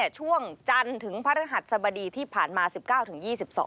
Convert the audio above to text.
ช่วงจันทร์ถึงพระฤหัสสบดีที่ผ่านมา๑๙ถึง๒๒